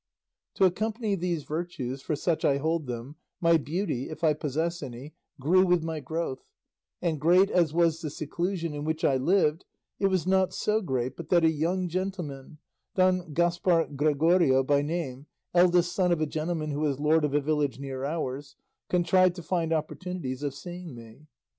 To accompany these virtues, for such I hold them, my beauty, if I possess any, grew with my growth; and great as was the seclusion in which I lived it was not so great but that a young gentleman, Don Gaspar Gregorio by name, eldest son of a gentleman who is lord of a village near ours, contrived to find opportunities of seeing me.